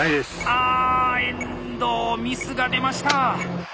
あ遠藤ミスが出ました！